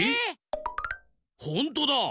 ほんとだ。